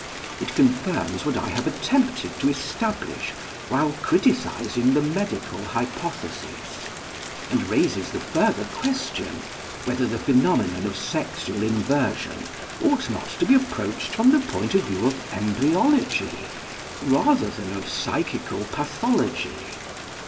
It confirms what I have attempted to establish while criticising the medical hypothesis; and raises the further question whether the phenomenon of sexual inversion ought not to be approached from the point of view of embryology rather than of psychical pathology.